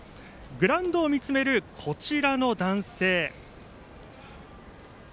グラウンドを見つめるこちらの男性。